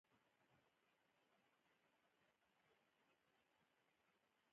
پرلې بډۍ دې خاورې مه خوره